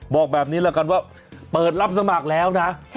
บอกแบบนี้ละกันว่าเปิดรับสมัครแล้วนะ